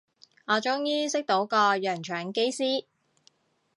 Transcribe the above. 我終於識到個洋腸機師